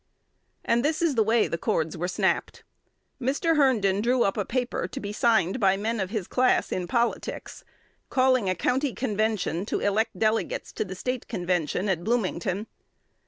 And this is the way the cords were snapped: Mr. Herndon drew up a paper to be signed by men of his class in politics, calling a county convention to elect delegates to the State convention at Bloomington.